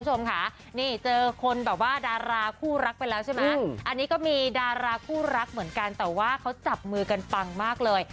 คุณผู้ชมค่ะนี่เจอคนแบบว่าดาราคู่รักไปแล้วใช่ไหมอันนี้ก็มีดาราคู่รักเหมือนกันแต่ว่าเขาจับมือกันปังมากเลย